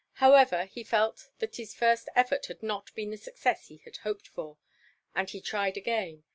However, he felt that his first effort had not been the success he had hoped for, and he tried again.